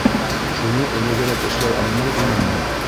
Шуны элегерәк эшләй алмай инеңме?